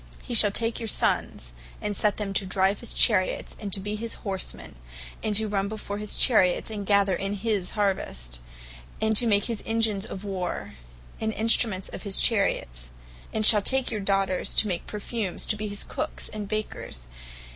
He shall take your sons, and set them to drive his Chariots, and to be his horsemen, and to run before his chariots; and gather in his harvest; and to make his engines of War, and Instruments of his chariots; and shall take your daughters to make perfumes, to be his Cookes, and Bakers.